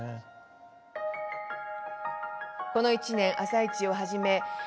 この１年、「あさイチ」をはじめ